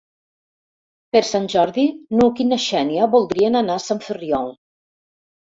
Per Sant Jordi n'Hug i na Xènia voldrien anar a Sant Ferriol.